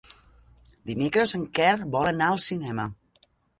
Dimecres en Quer vol anar al cinema.